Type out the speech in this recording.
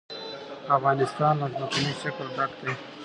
افغانستان له ځمکنی شکل ډک دی.